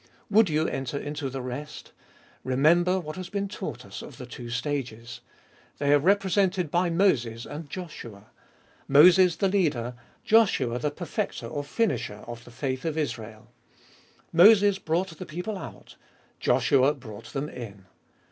Would you enter into the rest ? Remember what has been taught us of the two stages. They are represented by Moses 10 146 Gbe Ibollest of BU and Joshua. Moses the leader, Joshua the perfecter or finisher of the faith of Israel. Moses brought the people out : Joshua brought them in.